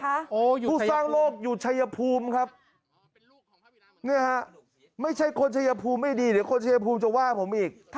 ผู้สร้างโลกอยู่ชายภูมิครับเนี่ยฮะไม่ใช่คนชัยภูมิไม่ดีเดี๋ยวคนชายภูมิจะว่าผมอีก